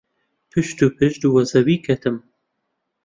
پشت و پشت وە زەوی کەتم.